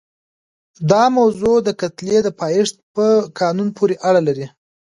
دا موضوع د کتلې د پایښت په قانون پورې اړه لري.